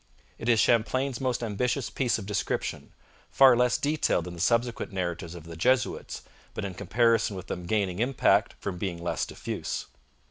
It is Champlain's most ambitious piece of description, far less detailed than the subsequent narratives of the Jesuits, but in comparison with them gaining impact from being less diffuse.